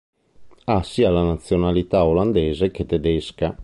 Ha sia la nazionalità olandese che tedesca.